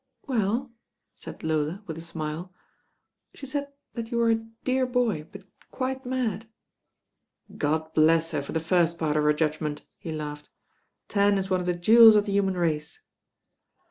"Well," said Lola, with a smile, "she said that you were 'a dear Boy, but quite mad.' " THE THIRTY NINE ARTICLES 179 "God bless her for the first part of her judgment," he laughed; "Tan is one of the jewels of the human race."